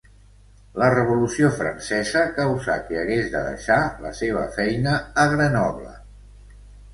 La Revolució Francesa causà que hagués de deixar la seva feina a Grenoble.